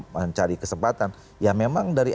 mencari kesempatan ya memang dari